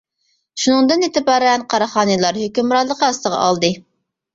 شۇندىن ئېتىبارەن قاراخانىيلار ھۆكۈمرانلىقى ئاستىغا ئالدى.